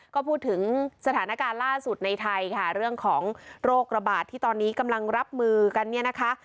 ก็พูดถึงสถานการณ์ล่าสุดในไทยค่ะเรื่องของโรคระบาดที่ตอนนี้กำลังรับมือกันเนี่ยนะคะ